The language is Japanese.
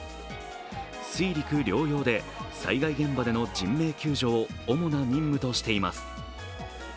水陸両用で災害現場での人命救助を主な任務としています。